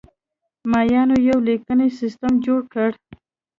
مایانو یو لیکنی سیستم جوړ کړ.